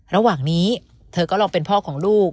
ระหว่างนี้เธอก็ลองเป็นพ่อของลูก